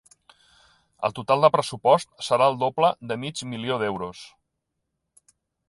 El total de pressupost serà el doble de mig milió d'euros.